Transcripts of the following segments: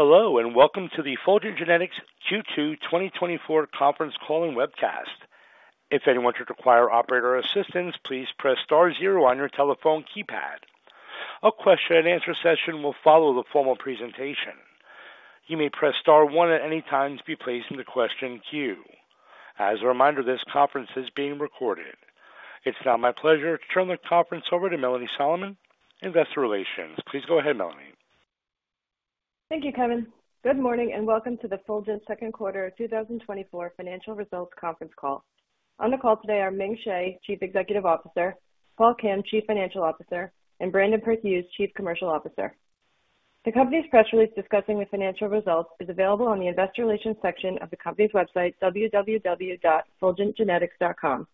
Hello, and welcome to the Fulgent Genetics Q2 2024 conference call and webcast. If anyone should require operator assistance, please press star zero on your telephone keypad. A question-and-answer session will follow the formal presentation. You may press star one at any time to be placed in the question queue. As a reminder, this conference is being recorded. It's now my pleasure to turn the conference over to Melanie Solomon, Investor Relations. Please go ahead, Melanie. Thank you, Kevin. Good morning, and welcome to the Fulgent Q2 2024 Financial Results Conference Call. On the call today are Ming Hsieh, Chief Executive Officer; Paul Kim, Chief Financial Officer; and Brandon Perthuis, Chief Commercial Officer. The company's press release discussing the financial results is available on the Investor Relations section of the company's website, www.fulgentgenetics.com.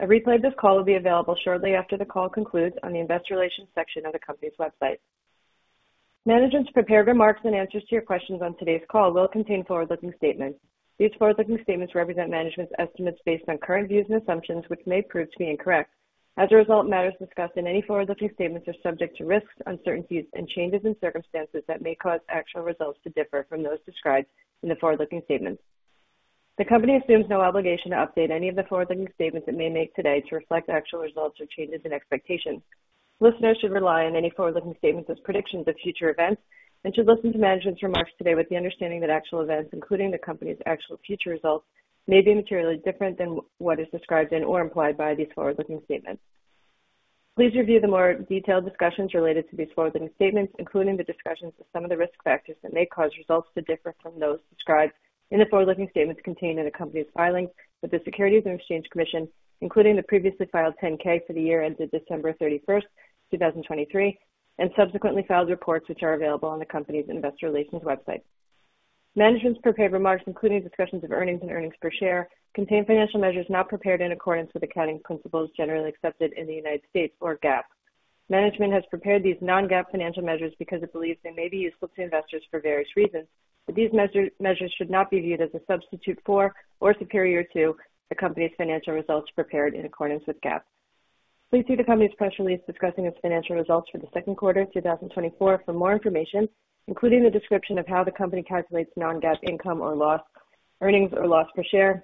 A replay of this call will be available shortly after the call concludes on the Investor Relations section of the company's website. Management's prepared remarks and answers to your questions on today's call will contain forward-looking statements. These forward-looking statements represent management's estimates based on current views and assumptions, which may prove to be incorrect. As a result, matters discussed in any forward-looking statements are subject to risks, uncertainties, and changes in circumstances that may cause actual results to differ from those described in the forward-looking statements. The company assumes no obligation to update any of the forward-looking statements it may make today to reflect actual results or changes in expectations. Listeners should rely on any forward-looking statements as predictions of future events and should listen to management's remarks today with the understanding that actual events, including the company's actual future results, may be materially different than what is described in or implied by these forward-looking statements. Please review the more detailed discussions related to these forward-looking statements, including the discussions of some of the risk factors that may cause results to differ from those described in the forward-looking statements contained in the company's filings with the Securities and Exchange Commission, including the previously filed 10-K for the year ended December 31st, 2023, and subsequently filed reports which are available on the company's Investor Relations website. Management's prepared remarks, including discussions of earnings and earnings per share, contain financial measures not prepared in accordance with accounting principles generally accepted in the United States, or GAAP. Management has prepared these non-GAAP financial measures because it believes they may be useful to investors for various reasons, but these measures should not be viewed as a substitute for or superior to the company's financial results prepared in accordance with GAAP. Please see the company's press release discussing its financial results for the second quarter of 2024 for more information, including the description of how the company calculates non-GAAP income or loss, earnings or loss per share,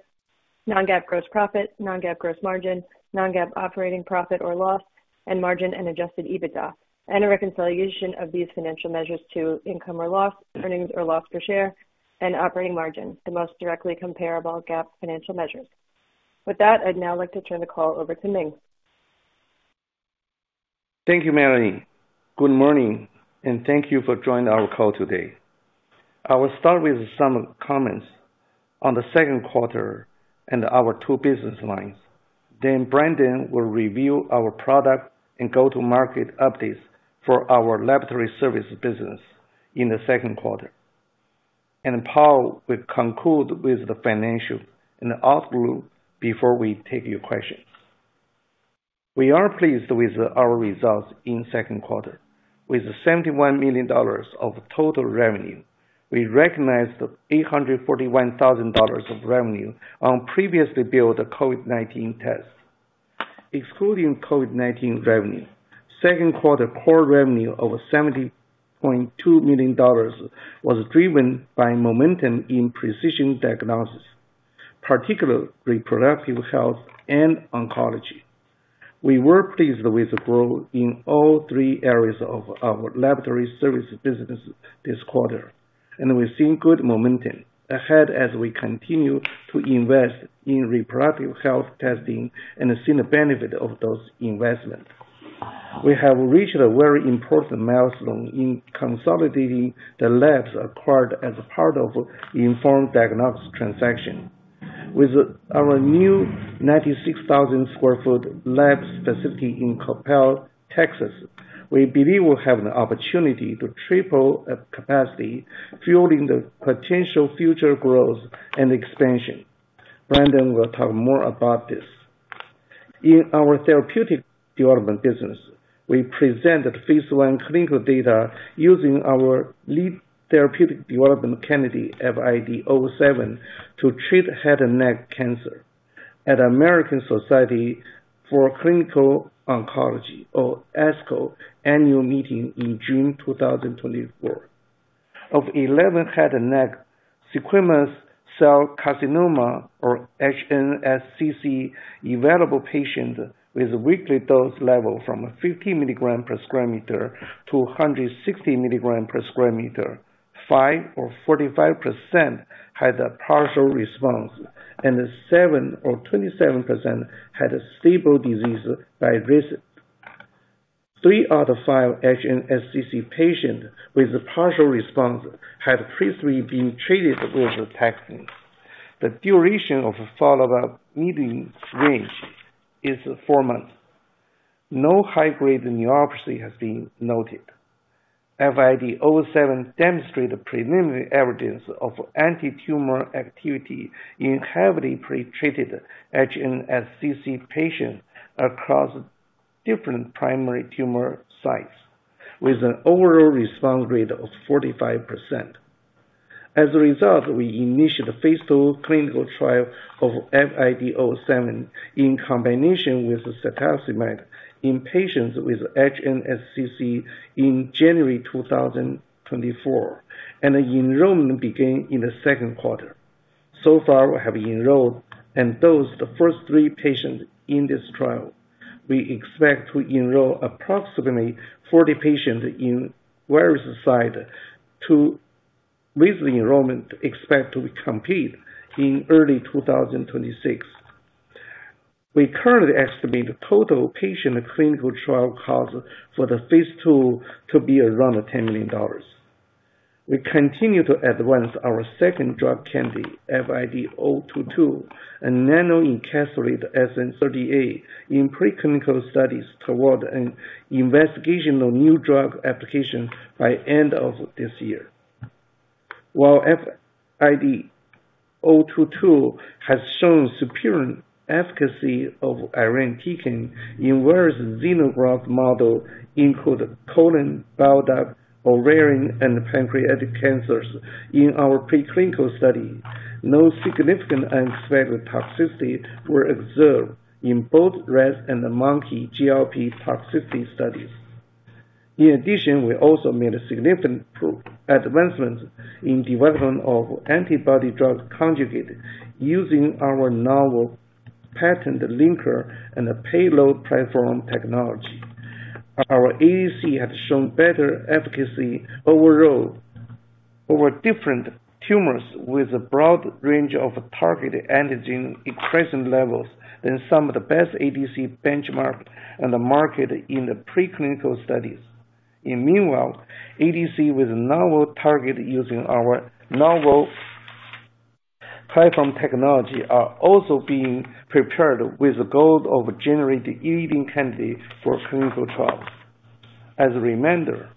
non-GAAP gross profit, non-GAAP gross margin, non-GAAP operating profit or loss, and margin and adjusted EBITDA, and a reconciliation of these financial measures to income or loss, earnings or loss per share, and operating margin, the most directly comparable GAAP financial measures. With that, I'd now like to turn the call over to Ming. Thank you, Melanie. Good morning, and thank you for joining our call today. I will start with some comments on the second quarter and our two business lines. Then Brandon will review our product and go-to-market updates for our laboratory service business in the second quarter. And Paul will conclude with the financial and the outlook before we take your questions. We are pleased with our results in the second quarter. With $71 million of total revenue, we recognize the $841,000 of revenue on previously billed COVID-19 tests. Excluding COVID-19 revenue, second quarter core revenue of $70.2 million was driven by momentum in precision diagnosis, particularly reproductive health and oncology. We were pleased with the growth in all three areas of our laboratory service business this quarter, and we've seen good momentum ahead as we continue to invest in reproductive health testing and see the benefit of those investments. We have reached a very important milestone in consolidating the labs acquired as a part of the Inform Diagnostics transaction. With our new 96,000 sq ft lab facility in Coppell, Texas, we believe we have an opportunity to triple capacity, fueling the potential future growth and expansion. Brandon will talk more about this. In our therapeutic development business, we presented phase 1 clinical data using our lead therapeutic development candidate, FID-007, to treat head and neck cancer at the American Society of Clinical Oncology, or ASCO, annual meeting in June 2024. Of 11 head and neck squamous cell carcinoma, or HNSCC, available patients with a weekly dose level from 50 milligrams per square meter to 160 milligrams per square meter, 5% or 45% had a partial response, and 7% or 27% had a stable disease by RECIST. Three out of five HNSCC patients with a partial response had previously been treated with Taxol. The median duration of follow-up range is four months. No high-grade neuropathy has been noted. FID-007 demonstrated preliminary evidence of anti-tumor activity in heavily pretreated HNSCC patients across different primary tumor sites, with an overall response rate of 45%. As a result, we initiated a phase 2 clinical trial of FID-007 in combination with cetuximab in patients with HNSCC in January 2024, and enrollment began in the second quarter. So far, we have enrolled and dosed the first three patients in this trial. We expect to enroll approximately 40 patients in various sites. With the enrollment, we expect to be complete in early 2026. We currently estimate the total patient clinical trial cost for the phase 2 to be around $10 million. We continue to advance our second drug candidate, FID-022, a nano-encapsulated SN-38, in preclinical studies toward an investigational new drug application by the end of this year. While FID-022 has shown superior efficacy of irinotecan in various xenograft models including colon, bile duct, ovarian, and pancreatic cancers in our preclinical studies, no significant unexpected toxicity was observed in both rat and monkey GLP toxicity studies. In addition, we also made a significant advancement in the development of antibody-drug conjugate using our novel patent linker and payload platform technology. Our ADC has shown better efficacy overall over different tumors with a broad range of target antigen expression levels than some of the best ADC benchmarked on the market in the preclinical studies. In meanwhile, ADC with a novel target using our novel platform technology are also being prepared with the goal of generating leading candidates for clinical trials. As a reminder,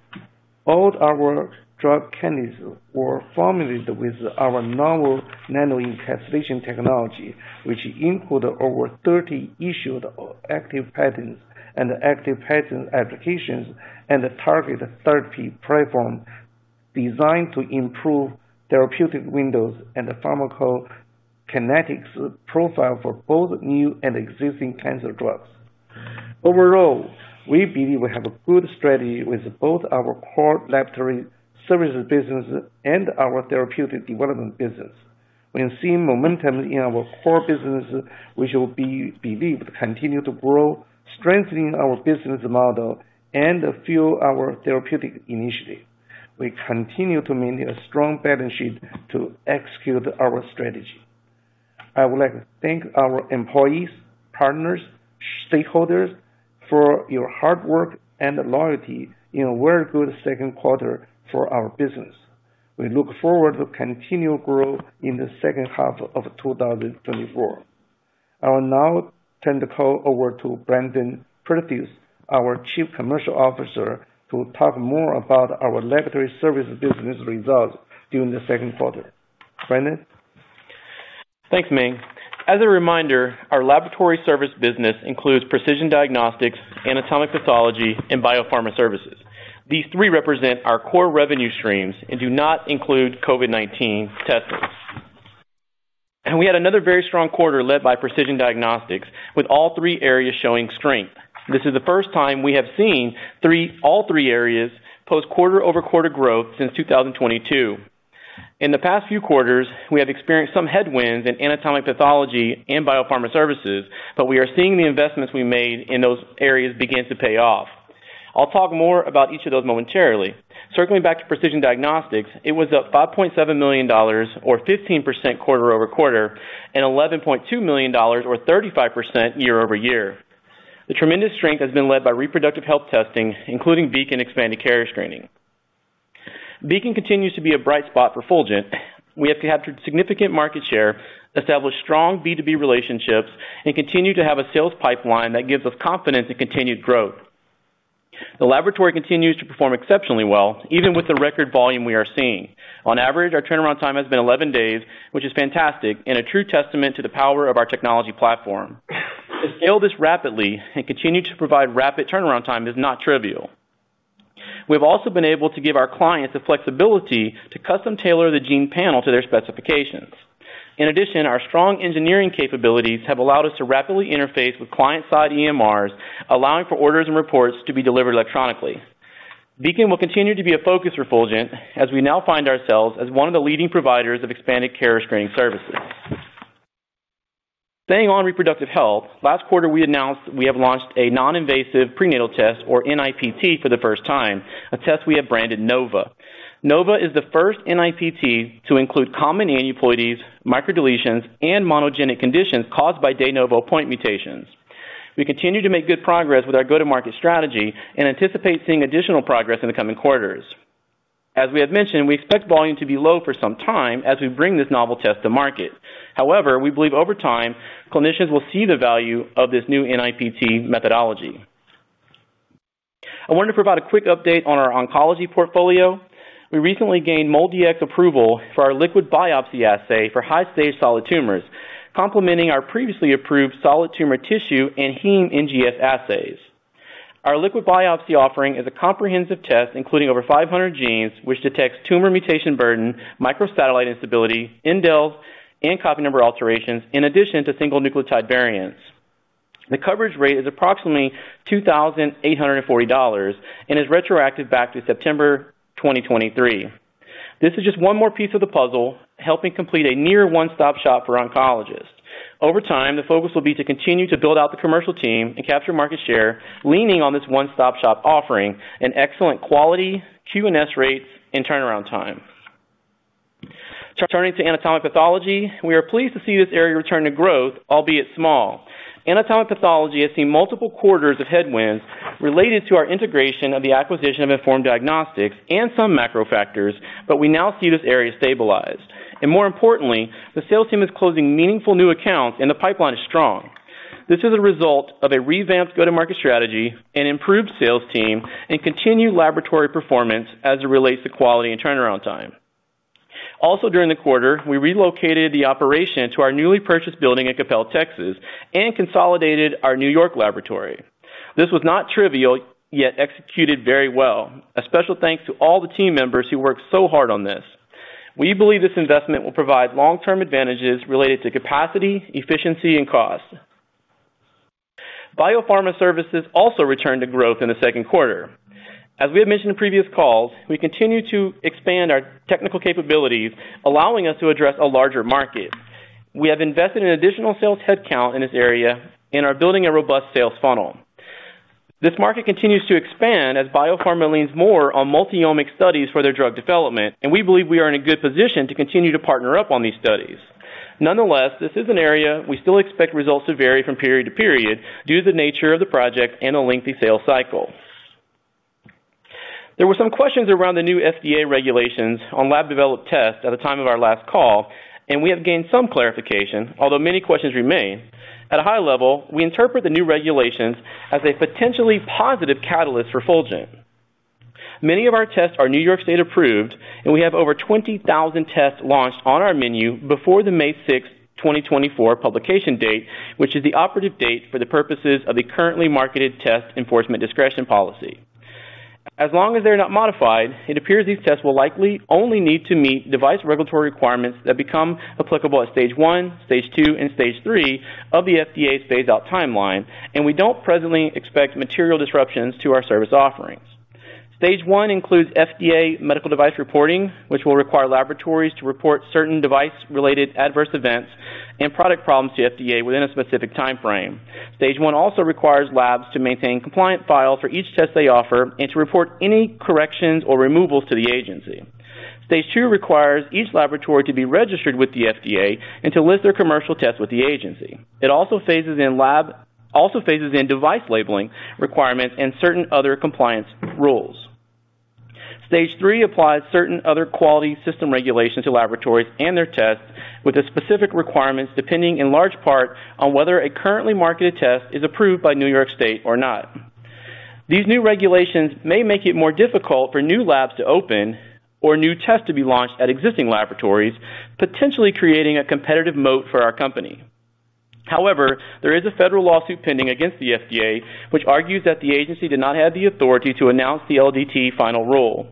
all our drug candidates were formulated with our novel nano-encapsulation technology, which includes over 30 issued active patents and active patent applications and a targeted therapy platform designed to improve therapeutic windows and pharmacokinetics profile for both new and existing cancer drugs. Overall, we believe we have a good strategy with both our core laboratory service business and our therapeutic development business. We've seen momentum in our core business, which we believe will continue to grow, strengthening our business model and fuel our therapeutic initiative. We continue to maintain a strong balance sheet to execute our strategy. I would like to thank our employees, partners, and stakeholders for your hard work and loyalty in a very good second quarter for our business. We look forward to continued growth in the second half of 2024. I will now turn the call over to Brandon Perthuis, our Chief Commercial Officer, to talk more about our laboratory service business results during the second quarter. Brandon? Thanks, Ming. As a reminder, our laboratory service business includes precision diagnostics, anatomic pathology, and biopharma services. These three represent our core revenue streams and do not include COVID-19 testing. And we had another very strong quarter led by precision diagnostics, with all three areas showing strength. This is the first time we have seen all three areas post quarter-over-quarter growth since 2022. In the past few quarters, we have experienced some headwinds in anatomic pathology and biopharma services, but we are seeing the investments we made in those areas begin to pay off. I'll talk more about each of those momentarily. Circling back to precision diagnostics, it was up $5.7 million, or 15% quarter-over-quarter, and $11.2 million, or 35% year-over-year. The tremendous strength has been led by reproductive health testing, including Beacon expanded carrier screening. Beacon continues to be a bright spot for Fulgent. We have to have significant market share, establish strong B2B relationships, and continue to have a sales pipeline that gives us confidence in continued growth. The laboratory continues to perform exceptionally well, even with the record volume we are seeing. On average, our turnaround time has been 11 days, which is fantastic and a true testament to the power of our technology platform. To scale this rapidly and continue to provide rapid turnaround time is not trivial. We have also been able to give our clients the flexibility to custom-tailor the gene panel to their specifications. In addition, our strong engineering capabilities have allowed us to rapidly interface with client-side EMRs, allowing for orders and reports to be delivered electronically. Beacon will continue to be a focus for Fulgent, as we now find ourselves as one of the leading providers of expanded carrier screening services. Staying on reproductive health, last quarter, we announced we have launched a non-invasive prenatal test, or NIPT, for the first time, a test we have branded NOVA. NOVA is the first NIPT to include common aneuploidies, microdeletions, and monogenic conditions caused by de novo point mutations. We continue to make good progress with our go-to-market strategy and anticipate seeing additional progress in the coming quarters. As we have mentioned, we expect volume to be low for some time as we bring this novel test to market. However, we believe over time, clinicians will see the value of this new NIPT methodology. I wanted to provide a quick update on our oncology portfolio. We recently gained MolDX approval for our liquid biopsy assay for high-stage solid tumors, complementing our previously approved solid tumor tissue and Heme NGS assays. Our liquid biopsy offering is a comprehensive test, including over 500 genes, which detects tumor mutation burden, microsatellite instability, indels, and copy number alterations, in addition to single nucleotide variants. The coverage rate is approximately $2,840 and is retroactive back to September 2023. This is just one more piece of the puzzle, helping complete a near one-stop shop for oncologists. Over time, the focus will be to continue to build out the commercial team and capture market share, leaning on this one-stop shop offering and excellent quality, QNS rates, and turnaround time. Turning to anatomic pathology, we are pleased to see this area return to growth, albeit small. Anatomic pathology has seen multiple quarters of headwinds related to our integration of the acquisition of Inform Diagnostics and some macro factors, but we now see this area stabilized. And more importantly, the sales team is closing meaningful new accounts, and the pipeline is strong. This is a result of a revamped go-to-market strategy, an improved sales team, and continued laboratory performance as it relates to quality and turnaround time. Also, during the quarter, we relocated the operation to our newly purchased building in Coppell, Texas, and consolidated our New York laboratory. This was not trivial, yet executed very well. A special thanks to all the team members who worked so hard on this. We believe this investment will provide long-term advantages related to capacity, efficiency, and cost. Biopharma services also returned to growth in the second quarter. As we have mentioned in previous calls, we continue to expand our technical capabilities, allowing us to address a larger market. We have invested in additional sales headcount in this area and are building a robust sales funnel. This market continues to expand as biopharma leans more on multi-omic studies for their drug development, and we believe we are in a good position to continue to partner up on these studies. Nonetheless, this is an area we still expect results to vary from period to period due to the nature of the project and a lengthy sales cycle. There were some questions around the new FDA regulations on lab-developed tests at the time of our last call, and we have gained some clarification, although many questions remain. At a high level, we interpret the new regulations as a potentially positive catalyst for Fulgent. Many of our tests are New York State approved, and we have over 20,000 tests launched on our menu before the May 6, 2024, publication date, which is the operative date for the purposes of the currently marketed test enforcement discretion policy. As long as they're not modified, it appears these tests will likely only need to meet device regulatory requirements that become applicable at stage one, stage two, and stage three of the FDA's phase-out timeline, and we don't presently expect material disruptions to our service offerings. Stage one includes FDA medical device reporting, which will require laboratories to report certain device-related adverse events and product problems to FDA within a specific time frame. Stage one also requires labs to maintain compliant files for each test they offer and to report any corrections or removals to the agency. Stage two requires each laboratory to be registered with the FDA and to list their commercial tests with the agency. It also phases in device labeling requirements and certain other compliance rules. Stage three applies certain other quality system regulations to laboratories and their tests, with the specific requirements depending in large part on whether a currently marketed test is approved by New York State or not. These new regulations may make it more difficult for new labs to open or new tests to be launched at existing laboratories, potentially creating a competitive moat for our company. However, there is a federal lawsuit pending against the FDA, which argues that the agency did not have the authority to announce the LDT final rule.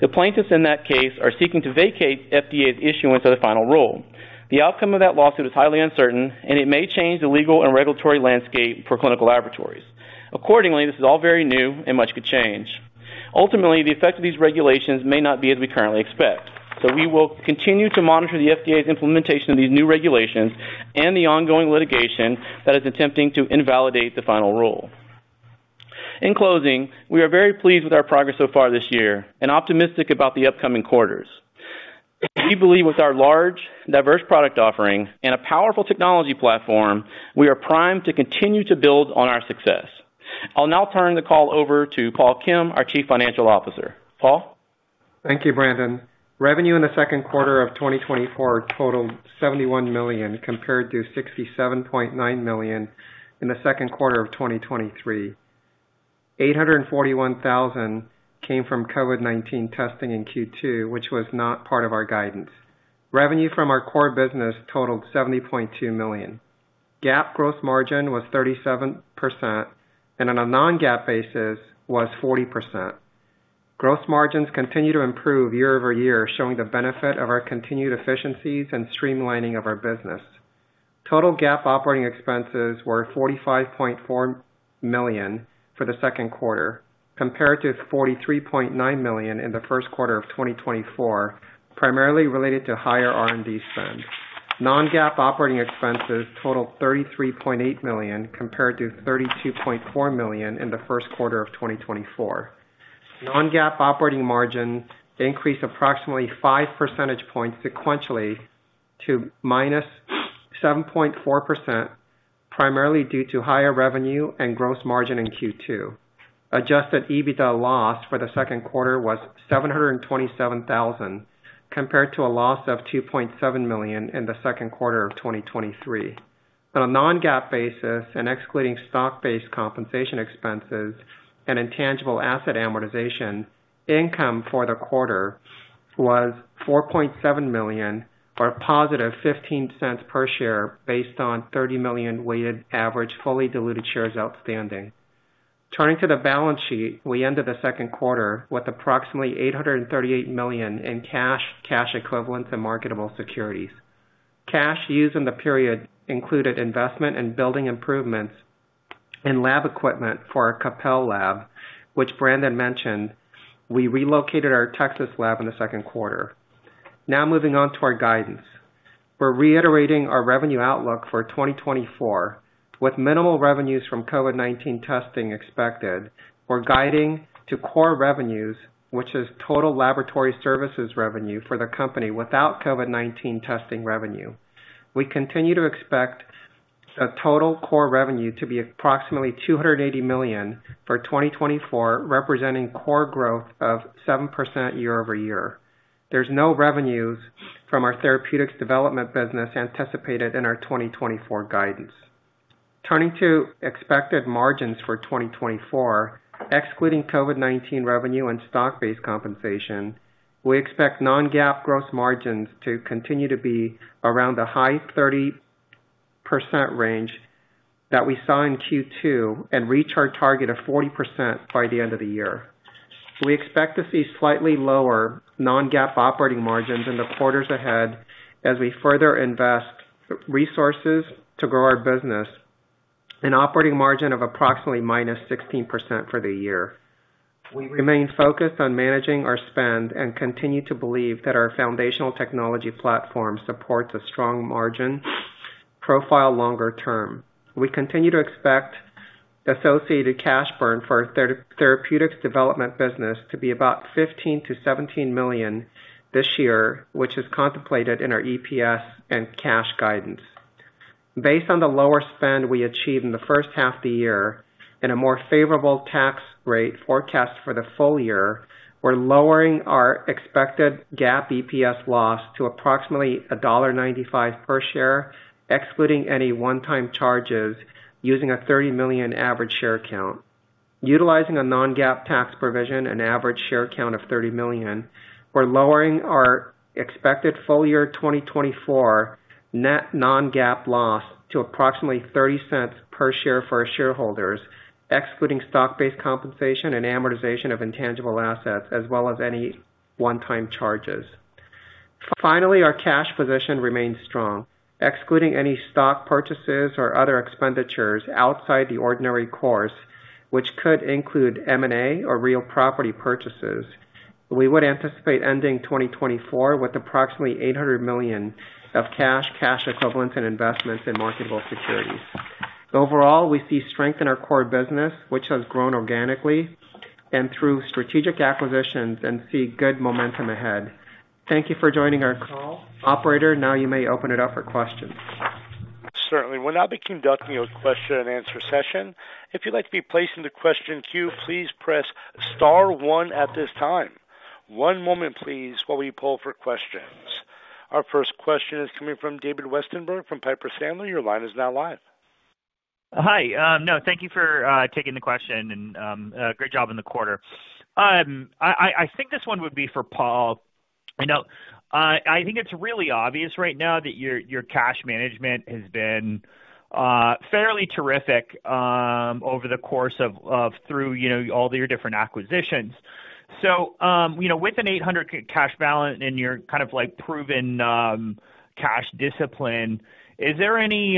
The plaintiffs in that case are seeking to vacate FDA's issuance of the final rule. The outcome of that lawsuit is highly uncertain, and it may change the legal and regulatory landscape for clinical laboratories. Accordingly, this is all very new, and much could change. Ultimately, the effect of these regulations may not be as we currently expect. So we will continue to monitor the FDA's implementation of these new regulations and the ongoing litigation that is attempting to invalidate the final rule. In closing, we are very pleased with our progress so far this year and optimistic about the upcoming quarters. We believe with our large, diverse product offering and a powerful technology platform, we are primed to continue to build on our success. I'll now turn the call over to Paul Kim, our Chief Financial Officer. Paul? Thank you, Brandon. Revenue in the second quarter of 2024 totaled $71 million compared to $67.9 million in the second quarter of 2023. $841,000 came from COVID-19 testing in Q2, which was not part of our guidance. Revenue from our core business totaled $70.2 million. GAAP gross margin was 37%, and on a non-GAAP basis was 40%. Gross margins continue to improve year-over-year, showing the benefit of our continued efficiencies and streamlining of our business. Total GAAP operating expenses were $45.4 million for the second quarter, compared to $43.9 million in the first quarter of 2024, primarily related to higher R&D spend. Non-GAAP operating expenses totaled $33.8 million compared to $32.4 million in the first quarter of 2024. Non-GAAP operating margins increased approximately 5 percentage points sequentially to -7.4%, primarily due to higher revenue and gross margin in Q2. Adjusted EBITDA loss for the second quarter was $727,000 compared to a loss of $2.7 million in the second quarter of 2023. On a non-GAAP basis and excluding stock-based compensation expenses and intangible asset amortization, income for the quarter was $4.7 million or a positive $0.15 per share based on 30 million weighted average fully diluted shares outstanding. Turning to the balance sheet, we ended the second quarter with approximately $838 million in cash, cash equivalents, and marketable securities. Cash used in the period included investment and building improvements and lab equipment for our Coppell Lab, which Brandon mentioned. We relocated our Texas lab in the second quarter. Now moving on to our guidance. We're reiterating our revenue outlook for 2024, with minimal revenues from COVID-19 testing expected. We're guiding to core revenues, which is total laboratory services revenue for the company without COVID-19 testing revenue. We continue to expect a total core revenue to be approximately $280 million for 2024, representing core growth of 7% year-over-year. There's no revenues from our therapeutics development business anticipated in our 2024 guidance. Turning to expected margins for 2024, excluding COVID-19 revenue and stock-based compensation, we expect non-GAAP gross margins to continue to be around the high 30% range that we saw in Q2 and reach our target of 40% by the end of the year. We expect to see slightly lower non-GAAP operating margins in the quarters ahead as we further invest resources to grow our business, an operating margin of approximately -16% for the year. We remain focused on managing our spend and continue to believe that our foundational technology platform supports a strong margin profile longer term. We continue to expect the associated cash burn for our therapeutics development business to be about $15-$17 million this year, which is contemplated in our EPS and cash guidance. Based on the lower spend we achieved in the first half of the year and a more favorable tax rate forecast for the full year, we're lowering our expected GAAP EPS loss to approximately $1.95 per share, excluding any one-time charges, using a 30 million average share count. Utilizing a non-GAAP tax provision and average share count of 30 million, we're lowering our expected full year 2024 net non-GAAP loss to approximately $0.30 per share for our shareholders, excluding stock-based compensation and amortization of intangible assets, as well as any one-time charges. Finally, our cash position remains strong, excluding any stock purchases or other expenditures outside the ordinary course, which could include M&A or real property purchases. We would anticipate ending 2024 with approximately $800 million of cash, cash equivalents, and investments in marketable securities. Overall, we see strength in our core business, which has grown organically and through strategic acquisitions, and see good momentum ahead. Thank you for joining our call. Operator, now you may open it up for questions. Certainly. We'll now be conducting a question-and-answer session. If you'd like to be placed in the question queue, please press star one at this time. One moment, please, while we pull for questions. Our first question is coming from David Westenberg from Piper Sandler. Your line is now live. Hi. Thank you for taking the question and great job in the quarter. I think this one would be for Paul. I think it's really obvious right now that your cash management has been fairly terrific over the course of through all your different acquisitions. So with an $800 cash balance and your kind of proven cash discipline, is there any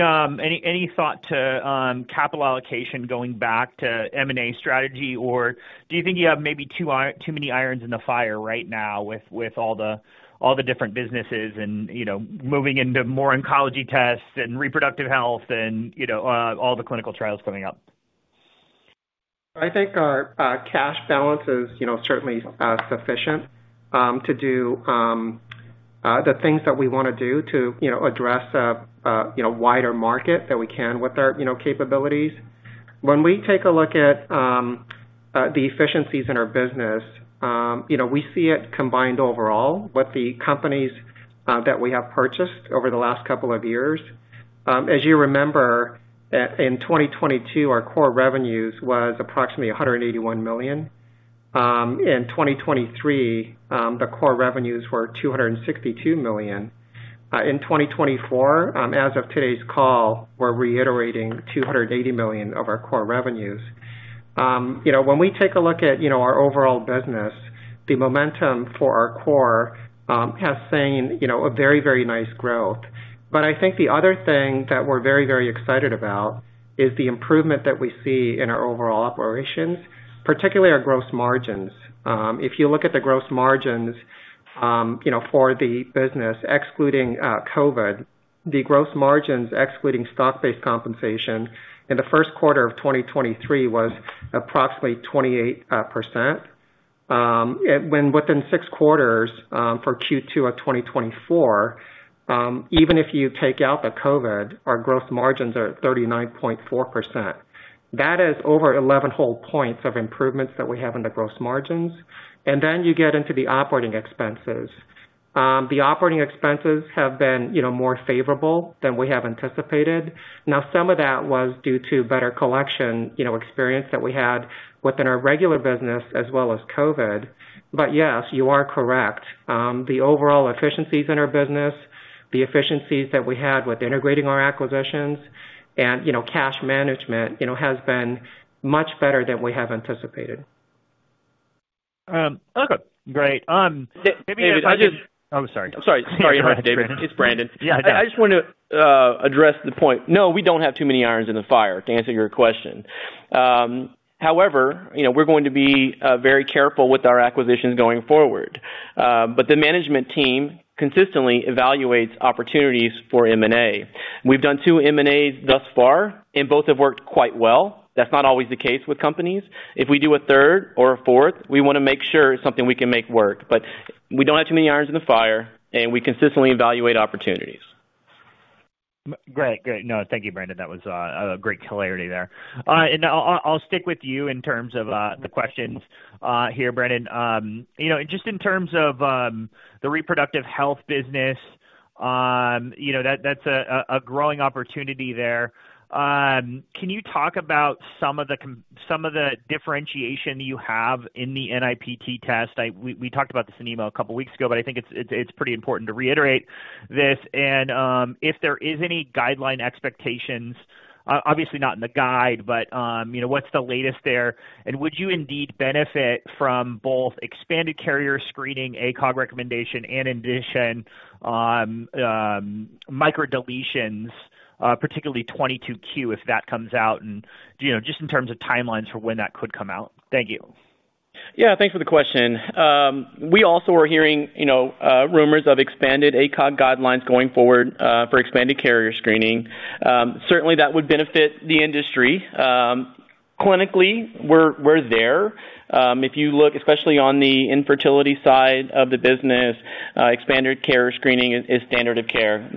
thought to capital allocation going back to M&A strategy, or do you think you have maybe too many irons in the fire right now with all the different businesses and moving into more oncology tests and reproductive health and all the clinical trials coming up? I think our cash balance is certainly sufficient to do the things that we want to do to address a wider market that we can with our capabilities. When we take a look at the efficiencies in our business, we see it combined overall with the companies that we have purchased over the last couple of years. As you remember, in 2022, our core revenues was approximately $181 million. In 2023, the core revenues were $262 million. In 2024, as of today's call, we're reiterating $280 million of our core revenues. When we take a look at our overall business, the momentum for our core has seen a very, very nice growth. But I think the other thing that we're very, very excited about is the improvement that we see in our overall operations, particularly our gross margins. If you look at the gross margins for the business, excluding COVID, the gross margins excluding stock-based compensation in the first quarter of 2023 was approximately 28%. Within 6 quarters for Q2 of 2024, even if you take out the COVID, our gross margins are at 39.4%. That is over 11 whole points of improvements that we have in the gross margins. And then you get into the operating expenses. The operating expenses have been more favorable than we have anticipated. Now, some of that was due to better collection experience that we had within our regular business as well as COVID. But yes, you are correct. The overall efficiencies in our business, the efficiencies that we had with integrating our acquisitions and cash management has been much better than we have anticipated. Okay. Great. David, I just. I'm sorry. Sorry. Sorry, David. It's Brandon. Yeah. I just want to address the point. No, we don't have too many irons in the fire to answer your question. However, we're going to be very careful with our acquisitions going forward. But the management team consistently evaluates opportunities for M&A. We've done two M&As thus far, and both have worked quite well. That's not always the case with companies. If we do a third or a fourth, we want to make sure it's something we can make work. But we don't have too many irons in the fire, and we consistently evaluate opportunities. Great. Great. No, thank you, Brandon. That was a great clarity there. And I'll stick with you in terms of the questions here, Brandon. Just in terms of the reproductive health business, that's a growing opportunity there. Can you talk about some of the differentiation you have in the NIPT test? We talked about this in an email a couple of weeks ago, but I think it's pretty important to reiterate this. If there is any guideline expectations, obviously not in the guide, but what's the latest there? Would you indeed benefit from both expanded carrier screening, ACOG recommendation, and in addition, microdeletions, particularly 22q, if that comes out? Just in terms of timelines for when that could come out. Thank you. Yeah. Thanks for the question. We also are hearing rumors of expanded ACOG guidelines going forward for expanded carrier screening. Certainly, that would benefit the industry. Clinically, we're there. If you look, especially on the infertility side of the business, expanded carrier screening is standard of care.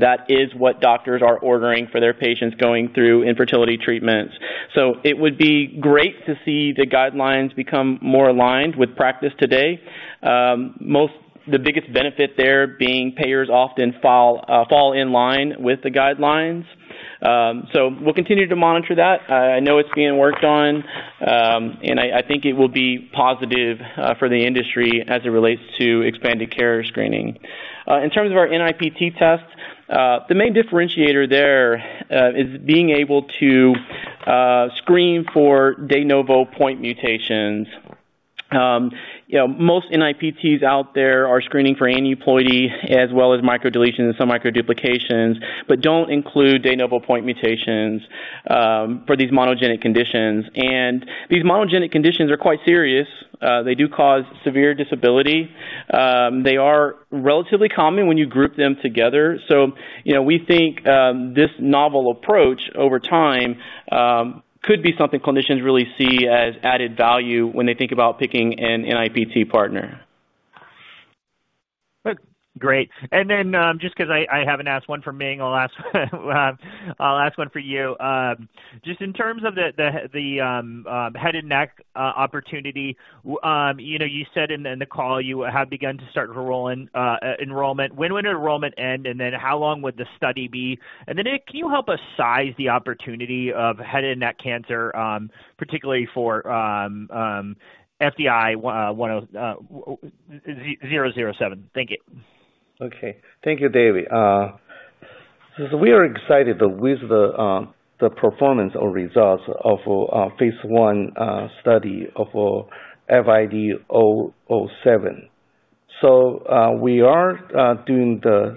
That is what doctors are ordering for their patients going through infertility treatments. So it would be great to see the guidelines become more aligned with practice today. The biggest benefit there being payers often fall in line with the guidelines. So we'll continue to monitor that. I know it's being worked on, and I think it will be positive for the industry as it relates to expanded carrier screening. In terms of our NIPT test, the main differentiator there is being able to screen for de novo point mutations. Most NIPTs out there are screening for aneuploidy as well as microdeletions and some microduplications, but don't include de novo point mutations for these monogenic conditions. These monogenic conditions are quite serious. They do cause severe disability. They are relatively common when you group them together. We think this novel approach over time could be something clinicians really see as added value when they think about picking an NIPT partner. Great. And then just because I haven't asked one for Ming, I'll ask one for you. Just in terms of the head and neck opportunity, you said in the call you have begun to start enrollment. When would enrollment end, and then how long would the study be? And then can you help us size the opportunity of head and neck cancer, particularly for FID-007? Thank you. Okay. Thank you, David. We are excited with the performance or results of phase 1 study of FID-007. So we are doing the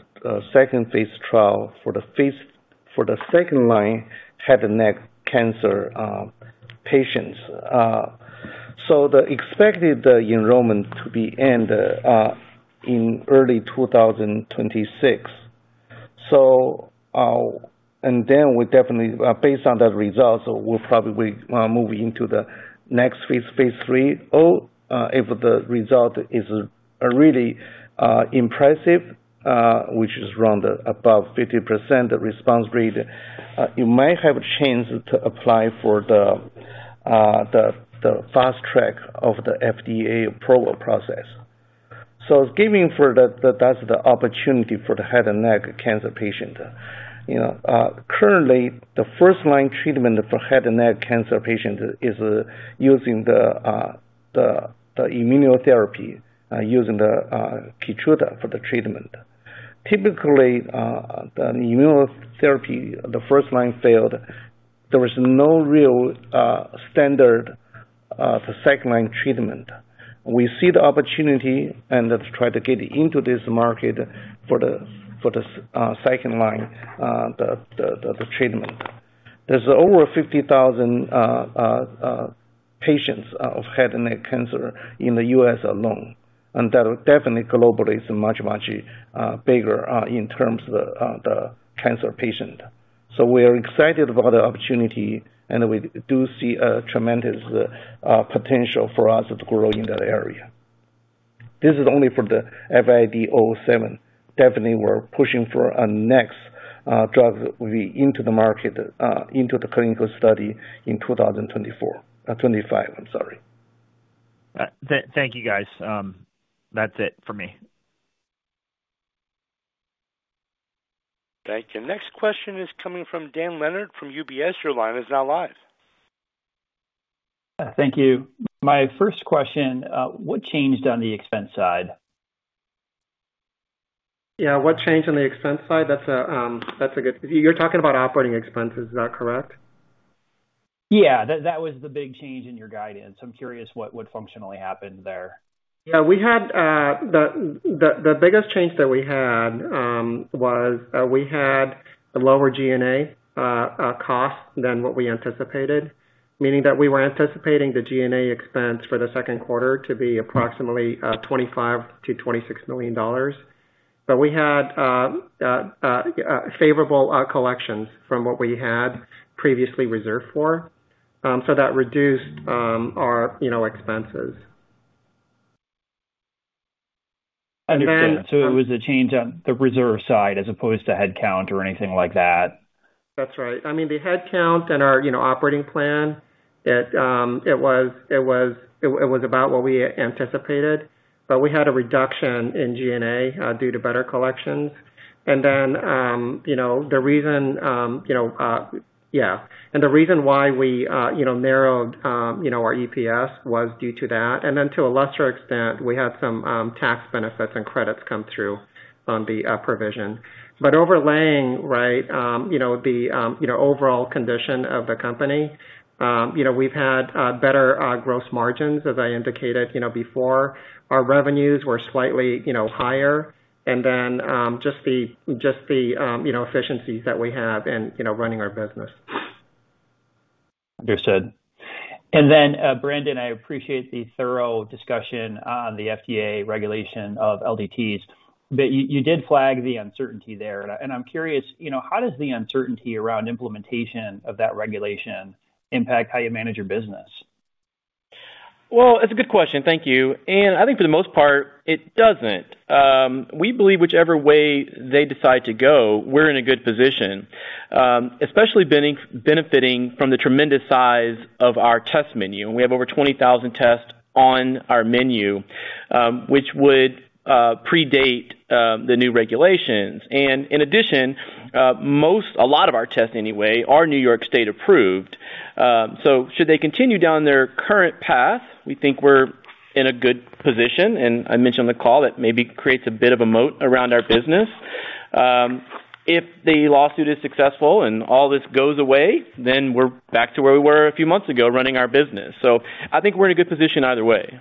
second phase trial for the second line head and neck cancer patients. So the expected enrollment to be end in early 2026. And then based on the results, we'll probably move into the next phase, phase 3. If the result is really impressive, which is around above 50% response rate, you might have a chance to apply for the fast track of the FDA approval process. So giving that's the opportunity for the head and neck cancer patient. Currently, the first line treatment for head and neck cancer patients is using the immunotherapy using the Keytruda for the treatment. Typically, the immunotherapy, the first line failed. There was no real standard for second line treatment. We see the opportunity and try to get into this market for the second line treatment. There's over 50,000 patients of head and neck cancer in the U.S. alone. Definitely globally, it's much, much bigger in terms of the cancer patient. We are excited about the opportunity, and we do see a tremendous potential for us to grow in that area. This is only for the FID-007. Definitely, we're pushing for a next drug into the market, into the clinical study in 2024-2025, I'm sorry. Thank you, guys. That's it for me. Thank you. Next question is coming from Dan Leonard from UBS. Your line is now live. Thank you. My first question, what changed on the expense side? Yeah. What changed on the expense side? That's a good. You're talking about operating expenses, is that correct? Yeah. That was the big change in your guidance. I'm curious what functionally happened there. Yeah. The biggest change that we had was we had a lower G&A cost than what we anticipated, meaning that we were anticipating the G&A expense for the second quarter to be approximately $25-$26 million. But we had favorable collections from what we had previously reserved for. That reduced our expenses. It was a change on the reserve side as opposed to headcount or anything like that? That's right. I mean, the headcount and our operating plan, it was about what we anticipated. But we had a reduction in G&A due to better collections. And then the reason why we narrowed our EPS was due to that. And then to a lesser extent, we had some tax benefits and credits come through on the provision. But overlaying, right, the overall condition of the company, we've had better gross margins, as I indicated before. Our revenues were slightly higher. And then just the efficiencies that we have in running our business. Understood. And then, Brandon, I appreciate the thorough discussion on the FDA regulation of LDTs. But you did flag the uncertainty there. And I'm curious, how does the uncertainty around implementation of that regulation impact how you manage your business? Well, it's a good question. Thank you. And I think for the most part, it doesn't. We believe whichever way they decide to go, we're in a good position, especially benefiting from the tremendous size of our test menu. And we have over 20,000 tests on our menu, which would predate the new regulations. And in addition, a lot of our tests, anyway, are New York State approved. So should they continue down their current path, we think we're in a good position. And I mentioned on the call that maybe creates a bit of a moat around our business. If the lawsuit is successful and all this goes away, then we're back to where we were a few months ago running our business. So I think we're in a good position either way.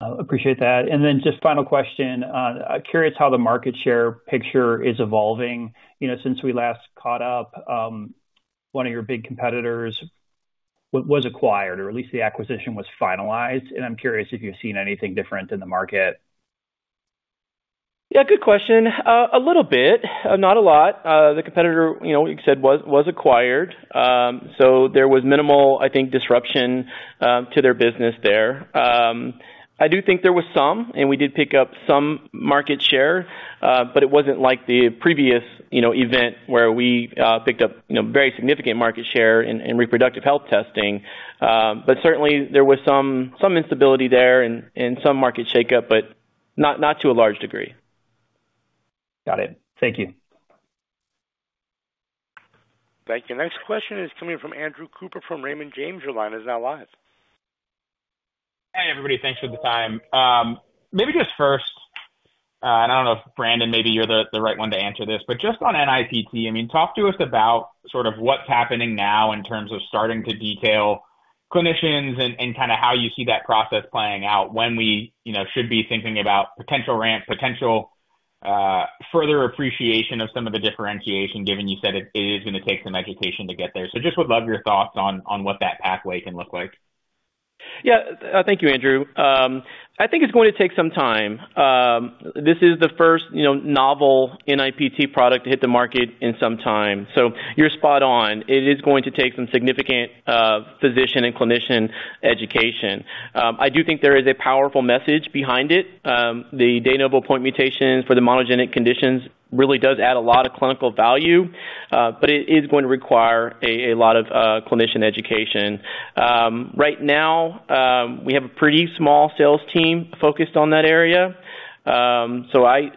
Appreciate that. And then just final question. Curious how the market share picture is evolving. Since we last caught up, one of your big competitors was acquired, or at least the acquisition was finalized. And I'm curious if you've seen anything different in the market. Yeah. Good question. A little bit. Not a lot. The competitor, like I said, was acquired. So there was minimal, I think, disruption to their business there. I do think there was some, and we did pick up some market share. But it wasn't like the previous event where we picked up very significant market share in reproductive health testing. But certainly, there was some instability there and some market shakeup, but not to a large degree. Got it. Thank you. Thank you. Next question is coming from Andrew Cooper from Raymond James. Your line is now live. Hey, everybody. Thanks for the time. Maybe just first, and I don't know if Brandon, maybe you're the right one to answer this, but just on NIPT, I mean, talk to us about sort of what's happening now in terms of starting to detail clinicians and kind of how you see that process playing out when we should be thinking about potential further appreciation of some of the differentiation, given you said it is going to take some education to get there. So just would love your thoughts on what that pathway can look like. Yeah. Thank you, Andrew. I think it's going to take some time. This is the first novel NIPT product to hit the market in some time. So you're spot on. It is going to take some significant physician and clinician education. I do think there is a powerful message behind it. The de novo point mutations for the monogenic conditions really does add a lot of clinical value, but it is going to require a lot of clinician education. Right now, we have a pretty small sales team focused on that area. So I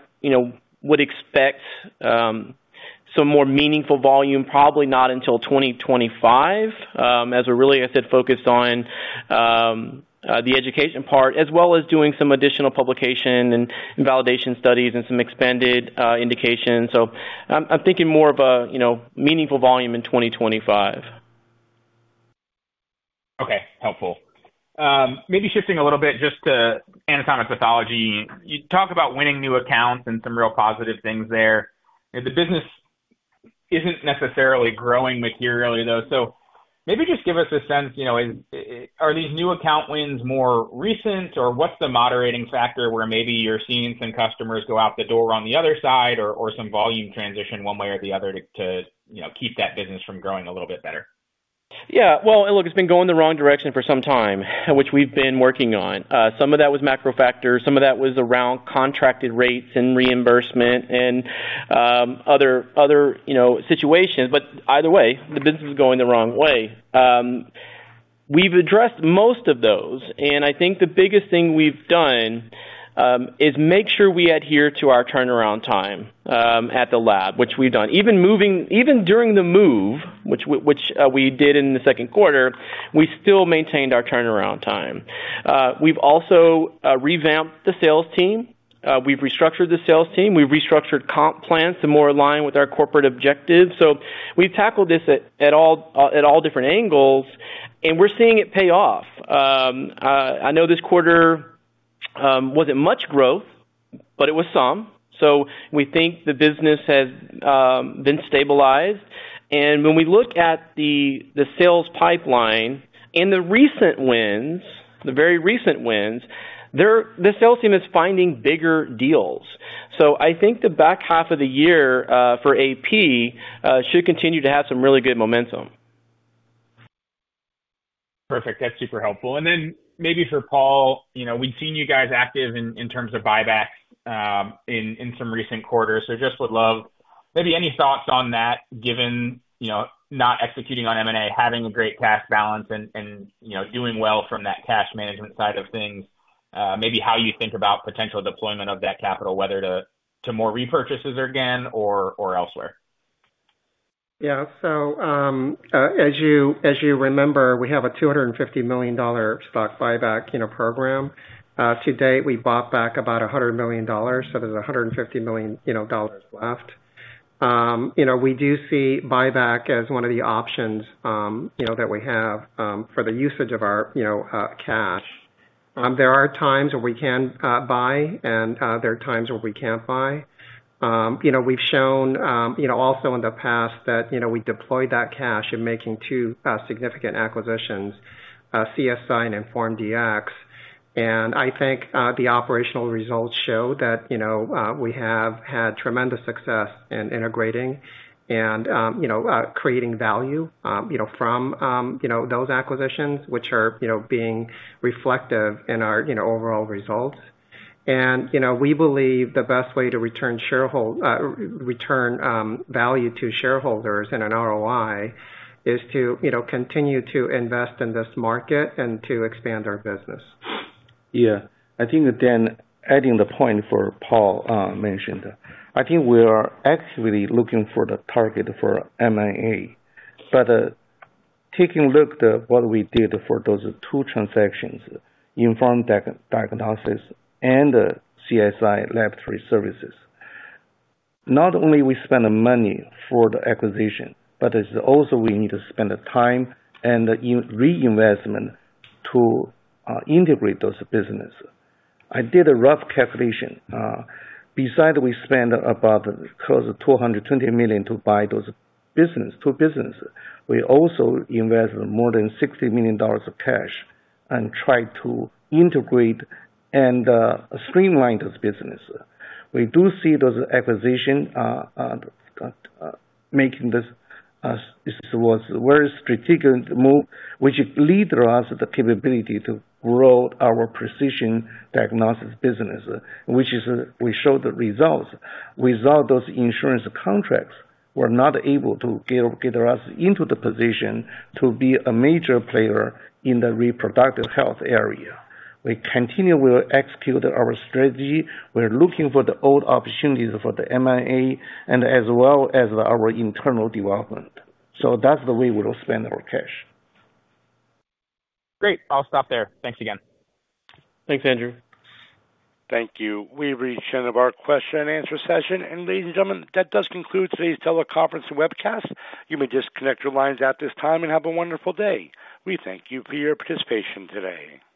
would expect some more meaningful volume, probably not until 2025, as we're really, like I said, focused on the education part, as well as doing some additional publication and validation studies and some expanded indications. So I'm thinking more of a meaningful volume in 2025. Okay. Helpful. Maybe shifting a little bit just to anatomic pathology. You talk about winning new accounts and some real positive things there. The business isn't necessarily growing materially, though. So maybe just give us a sense. Are these new account wins more recent, or what's the moderating factor where maybe you're seeing some customers go out the door on the other side or some volume transition one way or the other to keep that business from growing a little bit better? Yeah. Well, look, it's been going the wrong direction for some time, which we've been working on. Some of that was macro factors. Some of that was around contracted rates and reimbursement and other situations. But either way, the business is going the wrong way. We've addressed most of those. And I think the biggest thing we've done is make sure we adhere to our turnaround time at the lab, which we've done. Even during the move, which we did in the second quarter, we still maintained our turnaround time. We've also revamped the sales team. We've restructured the sales team. We've restructured comp plans to more align with our corporate objectives. So we've tackled this at all different angles, and we're seeing it pay off. I know this quarter wasn't much growth, but it was some. So we think the business has been stabilized. When we look at the sales pipeline and the recent wins, the very recent wins, the sales team is finding bigger deals. I think the back half of the year for AP should continue to have some really good momentum. Perfect. That's super helpful. And then maybe for Paul, we've seen you guys active in terms of buybacks in some recent quarters. So just would love maybe any thoughts on that, given not executing on M&A, having a great cash balance, and doing well from that cash management side of things, maybe how you think about potential deployment of that capital, whether to more repurchases again or elsewhere. Yeah. So as you remember, we have a $250 million stock buyback program. To date, we bought back about $100 million. So there's $150 million left. We do see buyback as one of the options that we have for the usage of our cash. There are times where we can buy, and there are times where we can't buy. We've shown also in the past that we deployed that cash in making two significant acquisitions, CSI and InformDx. And I think the operational results show that we have had tremendous success in integrating and creating value from those acquisitions, which are being reflective in our overall results. And we believe the best way to return value to shareholders in an ROI is to continue to invest in this market and to expand our business. Yeah. I think, again, adding the point for Paul mentioned, I think we are actively looking for the target for M&A. But taking a look at what we did for those two transactions, Inform Diagnostics and CSI Laboratories, not only we spent money for the acquisition, but also we need to spend time and reinvestment to integrate those businesses. I did a rough calculation. Besides we spent about close to $220 million to buy those businesses, we also invested more than $60 million of cash and tried to integrate and streamline those businesses. We do see those acquisitions making this was a very strategic move, which gave us the capability to grow our precision diagnosis business, which is we showed the results. Without those insurance contracts, we're not able to get us into the position to be a major player in the reproductive health area. We continue to execute our strategy. We're looking for the old opportunities for the M&A and as well as our internal development. That's the way we'll spend our cash. Great. I'll stop there. Thanks again. Thanks, Andrew. Thank you. We've reached the end of our question and answer session. Ladies and gentlemen, that does conclude today's teleconference webcast. You may just connect your lines at this time and have a wonderful day. We thank you for your participation today.